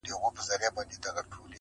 له مودو وروسته يې کرم او خرابات وکړ,